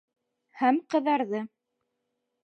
Һәм ҡыҙарҙы.